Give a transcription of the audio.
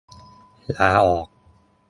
ลาออก